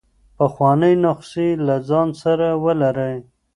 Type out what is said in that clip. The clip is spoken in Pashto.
پخوانۍ نسخې له ځان سره ولرئ.